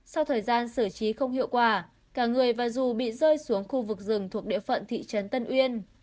sau thời gian xử trí không hiệu quả cả người và dù bị rơi xuống khu vực rừng thuộc địa phận thị trấn tân uyên